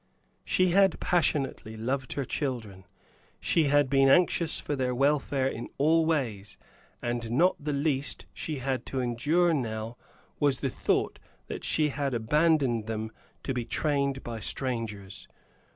She had passionately loved her children; she had been anxious for their welfare in all ways; and not the least she had to endure now was the thought that she had abandoned them to be trained by strangers.